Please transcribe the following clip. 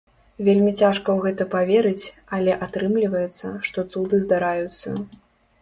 Вельмі цяжка ў гэта паверыць, але атрымліваецца, што цуды здараюцца!!!